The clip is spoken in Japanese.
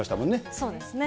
そうですね。